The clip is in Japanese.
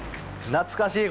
懐かしい！